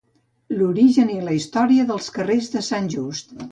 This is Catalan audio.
L'origen i la història dels carrers de Sant Just